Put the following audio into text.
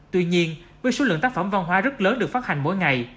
tuy nhiên với số lượng tác phẩm văn hóa rất lớn được phát hành mỗi ngày